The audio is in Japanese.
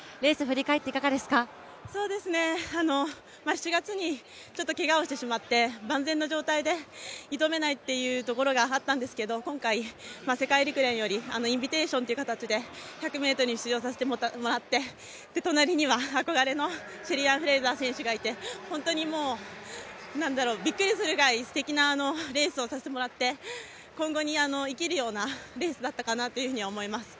７月にけがをしてしまって万全な状態で挑めないというところがあったんですけど今回、世界陸連よりインビテーションという形で１００ｍに出場させてもらって、隣には憧れのシェリーアン・フレイザー選手がいて本当にもうびっくりするくらいすてきなレースをさせてもらって、今後に生きるようなレースだったかなというふうに思います。